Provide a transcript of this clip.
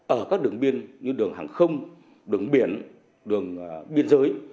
ở các đường biên như đường hàng không đường biển đường biên giới